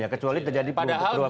kecuali terjadi perubahan perubahan